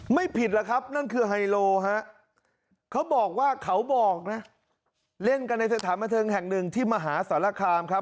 ผิดแล้วครับนั่นคือไฮโลฮะเขาบอกว่าเขาบอกนะเล่นกันในสถานบันเทิงแห่งหนึ่งที่มหาสารคามครับ